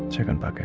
saya akan pakai